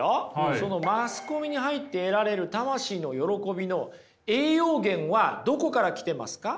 そのマスコミに入って得られる魂の喜びの栄養源はどこから来てますか？